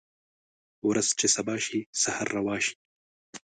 ورځ چې سبا شي سحر روا شي